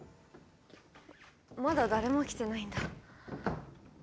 まだ誰も来てないんだ。